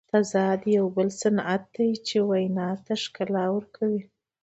تضاد یو بل صنعت دئ، چي وینا ته ښکلا ورکوي.